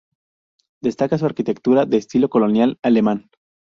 Destaca su arquitectura de estilo colonial alemán.